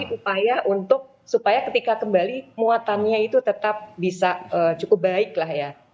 ini upaya untuk supaya ketika kembali muatannya itu tetap bisa cukup baik lah ya